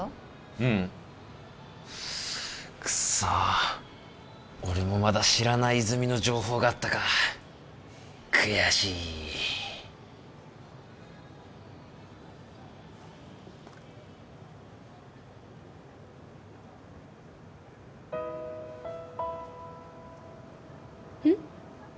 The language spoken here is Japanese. うんクソ俺もまだ知らない泉の情報があったか悔しいうん？